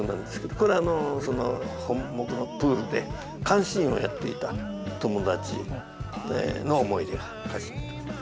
これあのその本牧のプールで監視員をやっていた友達の思い出が歌詞になってます。